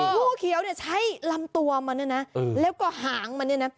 งูเขียวใช้ลำตัวมาแล้วก็หางมา